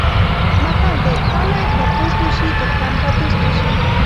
متل دی: کاڼی به پوست نه شي، دښمن به دوست نه شي.